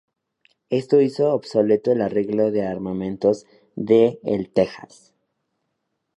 Esto hizo obsoleto el arreglo de armamentos de el "Texas".